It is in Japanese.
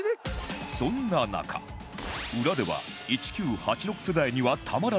裏では１９８６世代にはたまらない